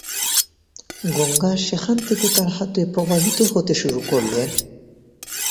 গঙ্গা সেখান থেকে তাঁর হাতে প্রবাহিত হতে শুরু করলেন।